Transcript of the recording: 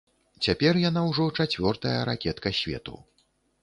Цяпер яна ўжо чацвёртая ракетка свету.